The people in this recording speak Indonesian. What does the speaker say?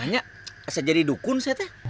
tanya aset jadi dukun sayete